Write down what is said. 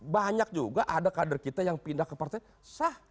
banyak juga ada kader kita yang pindah ke partai sah